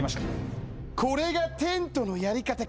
これがテントのやり方か。